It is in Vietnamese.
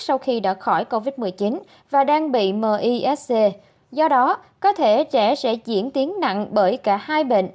sau khi đã khỏi covid một mươi chín và đang bị misc do đó có thể trẻ sẽ diễn tiến nặng bởi cả hai bệnh